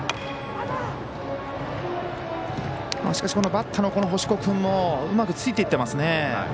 しかしバッターの星子君もうまくついていっていますね。